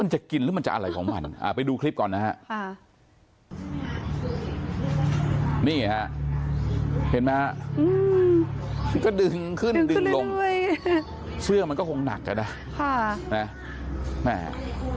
เห็นมั้ยฮะอืมก็ดึงขึ้นดึงลงเสื้อมันก็คงหนักอ่ะนะค่ะเนี่ย